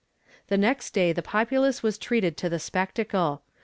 The next day the populace was treated to the spectacle.